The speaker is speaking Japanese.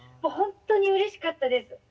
ほんとにうれしかったです。